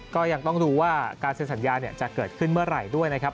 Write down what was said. ก็ยังต้องดูว่าการเซ็นสัญญาจะเกิดขึ้นเมื่อไหร่ด้วยนะครับ